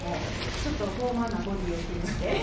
ちょっと豊満なボディーをしていまして。